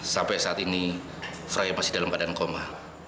sampai saat ini fraya masih dalam keadaan koma